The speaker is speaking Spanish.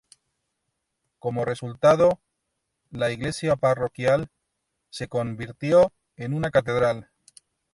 Como resultado, la iglesia parroquial se convirtió en una catedral.